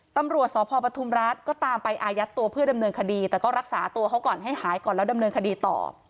ตำรวจสพปทุมรัฐก็ตามไปอายัดตัวเพื่อดำเนินคดีแต่ก็รักษาตัวเขาก่อนให้หายก่อนแล้วดำเนินคดีต่อ